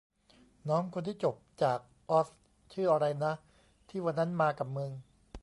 น้องคนที่จบจากออสชื่ออะไรนะ ที่วันนั้นมากับมึง